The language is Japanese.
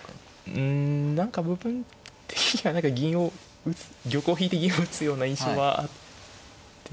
うん何か部分的には何か銀を玉を引いて銀を打つような印象はあって。